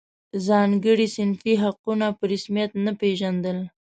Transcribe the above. ځانګړي صنفي حقونه په رسمیت نه پېژندل.